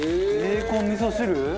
「ベーコン味噌汁？」